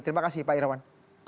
terima kasih pak irawan